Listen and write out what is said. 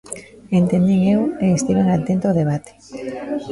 Entendín eu, e estiven atento ao debate.